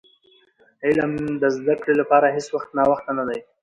د علم زدي کړي لپاره هيڅ وخت ناوخته نه دي .